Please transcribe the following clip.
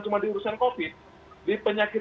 cuma di urusan covid di penyakit